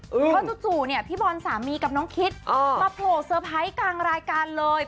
เพราะจู่เนี่ยพี่บอลสามีกับน้องคิดมาโผล่เซอร์ไพรส์กลางรายการเลย